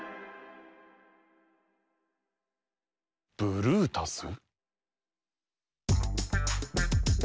ブルータス。